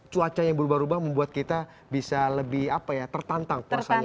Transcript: cuacanya berubah rubah membuat kita bisa lebih apa ya tertantang puasanya